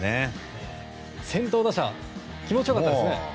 先頭打者気持ち良かったですね。